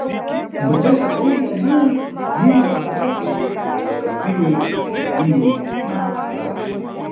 Kumacibese adayenda naye kunyumba ya ulapi kuti akalapiwe mwa bwinobwino na alapi.